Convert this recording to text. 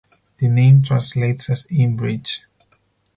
The name translates as "Inn bridge".